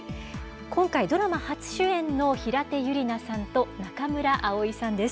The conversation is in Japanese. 今回、ドラマ初主演の平手友梨奈さんと中村蒼さんです。